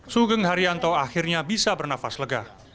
sugeng haryanto akhirnya bisa bernafas lega